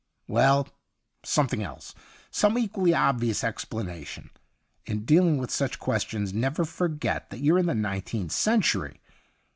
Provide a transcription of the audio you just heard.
' Well, something else — some equally obvious explanation. In dealing with such questions, never forget that you're in the nineteenth century.